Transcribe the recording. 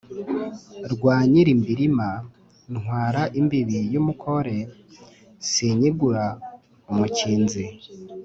Rwa Nyilimbirima ntwara imbibi y'umukore, sinyigura umukinzi,